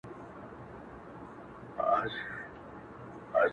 راځه د اوښکو تويول در زده کړم،